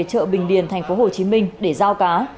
chợ bình điền tp hcm để giao cá